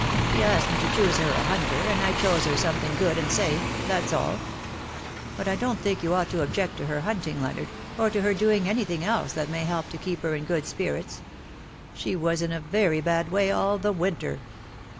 She asked me to choose her a hunter, and I chose her something good and safe, that^s alL But I don't think you ought to object to her hunting, Leonard, or to her doing anything else that may help to keep her in good spirits. She was in a very bad way all the winter.'